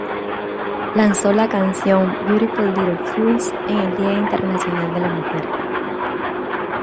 Lanzó la canción "Beautiful Little Fools" en el Día internacional de la mujer.